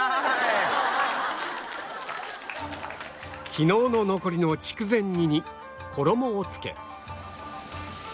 昨日の残りの筑前煮に衣をつけ